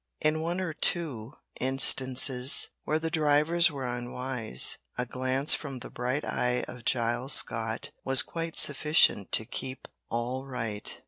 In one or two instances, where the drivers were unwise, a glance from the bright eye of Giles Scott was quite sufficient to keep all right.